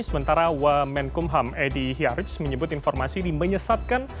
sementara wa menkumham edy hiarij menyebut informasi dimenyesatkan